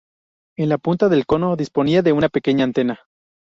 En la punta del cono, disponía de una pequeña antena.